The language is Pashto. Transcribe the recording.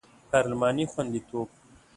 پارلماني خوندیتوب